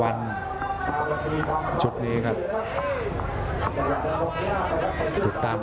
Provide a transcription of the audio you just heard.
อัศวินาศาสตร์